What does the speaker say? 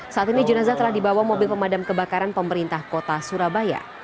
saat ini jenazah telah dibawa mobil pemadam kebakaran pemerintah kota surabaya